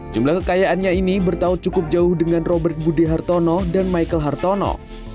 jumlah kekayaannya ini bertaut cukup jauh dengan robert budi hartono dan michael hartono